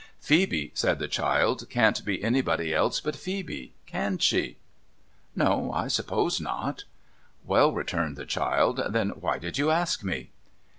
PHCEBE 425 ' Phoebe,' said the child, ' can't be anybobby else but Phoebe. Can she ?'' No, I suppose not.' ' Well,' returned the child, ' then why did you ask me